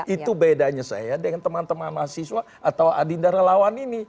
itu bedanya saya dengan teman teman mahasiswa atau adinda relawan ini